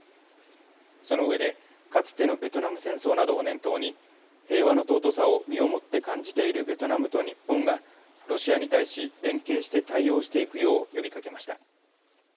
その上で、かつてのベトナム戦争などを念頭に、平和の尊さを身をもって感じているベトナムと日本が、ロシアに対し連携して対応していくよう呼びかけました。